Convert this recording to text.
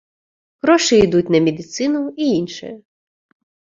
Грошы ідуць на медыцыну і іншае.